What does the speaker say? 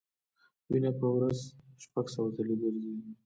وینه په ورځ شپږ سوه ځلې ګرځي.